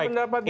ini ya baik